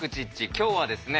今日はですね